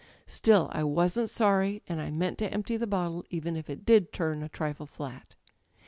Still, I wasn't sorry, and I meant to empty the bottle, even if it did turn a trifle flat.